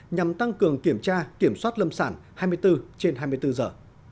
nhằm tăng cường kiểm tra kiểm soát lâm sản hai mươi bốn trên hai mươi bốn giờ